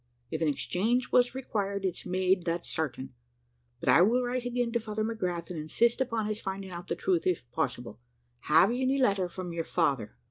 If an exchange was required, it's made, that's certain; but I will write again to Father McGrath, and insist upon his finding out the truth, if possible. Have you any letter from your father?"